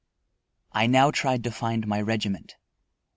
I now tried to find my regiment.